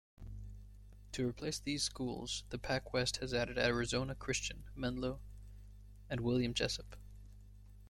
To replace these schools, the PacWest has added Arizona Christian, Menlo and William Jessup.